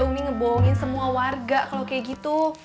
umi ngebohongin semua warga kalau kayak gitu